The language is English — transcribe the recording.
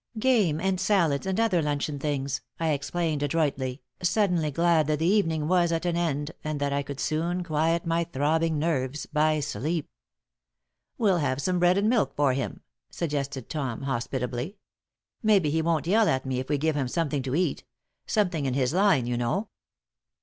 "Game and salads and other luncheon things," I explained, adroitly, suddenly glad that the evening was at an end and that I could soon quiet my throbbing nerves by sleep. "We'll have some bread and milk for him," suggested Tom, hospitably. "Maybe he won't yell at me if we give him something to eat something in his line, you know."